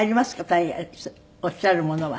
大概おっしゃるものは。